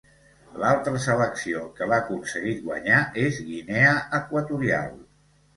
L'altra selecció que l'ha aconseguit guanyar és Guinea Equatorial.